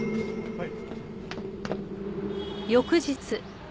はい。